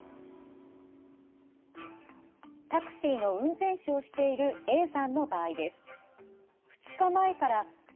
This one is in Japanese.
タクシーの運転手をしているＡさんの場合です。